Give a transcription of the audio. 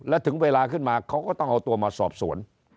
แล้วถึงเวลาขึ้นมาเขาก็ต้องเอาตัวมาสอบสวน